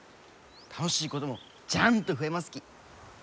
楽しいこともジャンと増えますき。